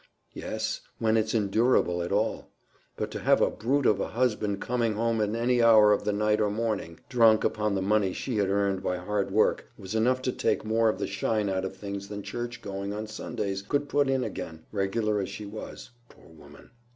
"Yes, when it's endurable at all. But to have a brute of a husband coming home at any hour of the night or morning, drunk upon the money she had earned by hard work, was enough to take more of the shine out of things than church going on Sundays could put in again, regular as she was, poor woman!